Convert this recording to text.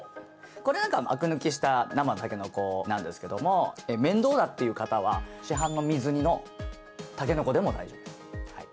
これなんかアク抜きした生のタケノコなんですけども面倒だっていう方は市販の水煮のタケノコでも大丈夫です